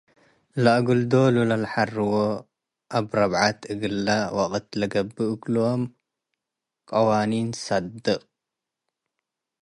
ለእግል ዶሉ ለለሐርዉ አብ-ረብዐት እግለ ወቅት ለገብእ እግሎም ቀዋኒን ሳድቅ ።